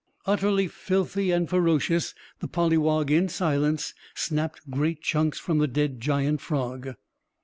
Utterly filthy, and ferocious, the polywog in silence snapped great chunks from the dead giant frog.